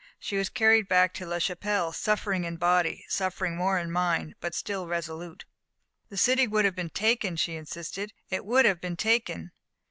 She was carried back to La Chapelle, suffering in body, suffering more in mind, but still resolute. "The city would have been taken!" she insisted. "It would have been taken!"